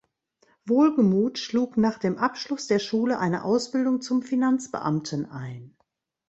Wohlgemuth schlug nach dem Abschluss der Schule eine Ausbildung zum Finanzbeamten ein.